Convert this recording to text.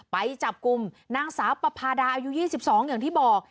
ไปจับกลุ่มนางสาวปภาดาอายุ๒๒อย่างที่บอก